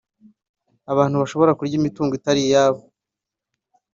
abantu bashobora kurya imitungo itari iyabo